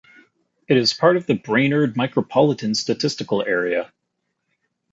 It is part of the Brainerd Micropolitan Statistical Area.